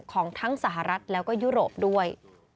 ของทั้งสหรัฐแล้วก็ยุโรปด้วย